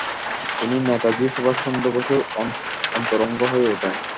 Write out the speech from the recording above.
তিনি নেতাজী সুভাষচন্দ্র বসুর অন্তরঙ্গ হয়ে ওঠেন।